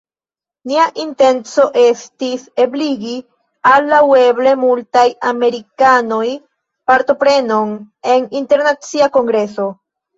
nia intenco estis ebligi al laŭeble multaj amerikanoj partoprenon en internacia kongreso.